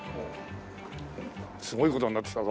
すごい事になってきたぞ。